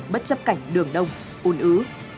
bất chấp cảnh đường đông ôn ứ